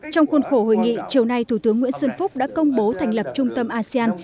trong khuôn khổ hội nghị chiều nay thủ tướng nguyễn xuân phúc đã công bố thành lập trung tâm asean